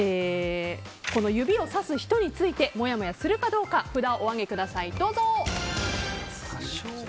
指をさす人についてもやもやするかどうか札をお上げください。